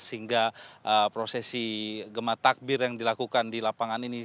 hingga prosesi gemah takbir yang dilakukan di lapangan ini